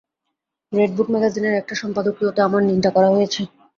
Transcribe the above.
রেডবুক ম্যাগাজিনের একটা সম্পাদকীয়তে আমার নিন্দা করা হয়েছে।